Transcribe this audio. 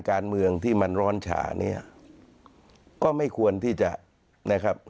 การเมืองที่มันร้อนฉาเนี่ยก็ไม่ควรที่จะนะครับ